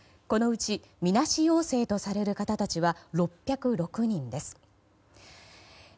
このうちみなし陽性とされる方たちは６０６人です。